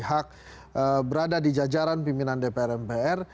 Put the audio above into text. hak berada di jajaran pimpinan dpr mpr